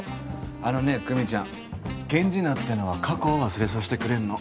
あのね久美ちゃん源氏名ってのは過去を忘れさしてくれんの。